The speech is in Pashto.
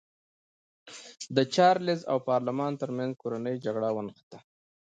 د چارلېز او پارلمان ترمنځ کورنۍ جګړه ونښته.